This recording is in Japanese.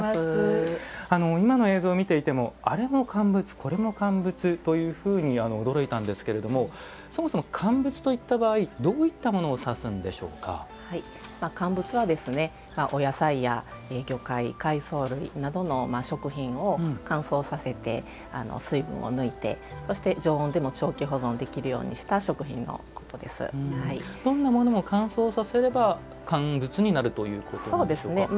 今の映像を見ていてもあれも乾物これも乾物というふうに驚いたんですけれどもそもそも乾物といった場合どういったものを乾物はですねお野菜や魚介海藻類などの食品を乾燥させて水分を抜いてそして常温でも長期保存をできるようにしたどんなものも乾燥させれば乾物になるということなんでしょうか。